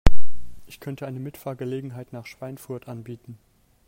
Ich könnte eine Mitfahrgelegenheit nach Schweinfurt anbieten